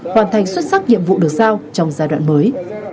hoàn thành xuất sắc nhiệm vụ được sao trong giai đoạn mới